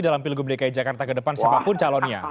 dalam pilgub dki jakarta ke depan siapapun calonnya